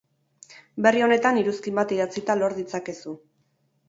Berri honetan iruzkin bat idatzita lor ditzakezu!